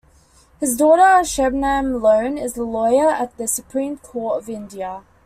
His daughter Shabnam Lone is a lawyer at the Supreme Court of India.